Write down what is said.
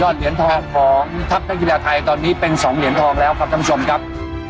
เหรียญทองของทัพนักกีฬาไทยตอนนี้เป็น๒เหรียญทองแล้วครับท่านผู้ชมครับ